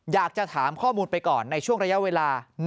อยากจะถามข้อมูลไปก่อนในช่วงระยะเวลา